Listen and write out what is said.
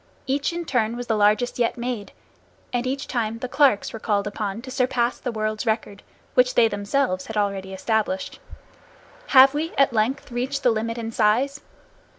Each in turn was the largest yet made, and each time the Clarks were called upon to surpass the world's record, which they themselves had already established. Have we at length reached the limit in size?